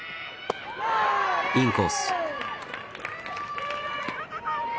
インコース。